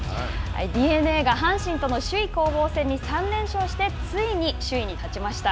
ＤｅＮＡが阪神との首位攻防戦に３連勝してついに首位に立ちました。